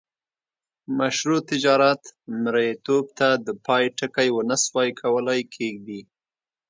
مشروع تجارت مریتوب ته د پای ټکی ونه سوای کولای کښيږدي.